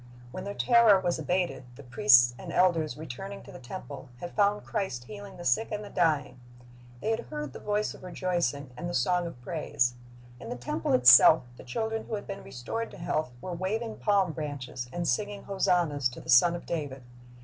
When their terror was abated, the priests and elders, returning to the temple, had found Christ healing the sick and the dying. They had heard the voice of rejoicing and the song of praise. In the temple itself the children who had been restored to health were waving palm branches and singing hosannas to the Son of David.